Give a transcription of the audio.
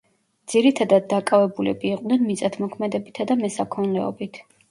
ძირითადად დაკავებულები იყვნენ მიწათმოქმედებითა და მესაქონლეობით.